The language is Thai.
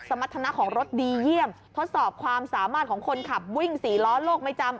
สมรรถนะของรถดีเยี่ยมทดสอบความสามารถของคนขับวิ่งสี่ล้อโลกไม่จำ